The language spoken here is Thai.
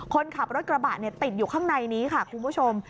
คนขับรถกระบะติดอยู่ข้างในนี้ค่ะคุณผู้ชม